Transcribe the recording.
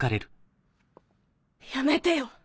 やめてよ。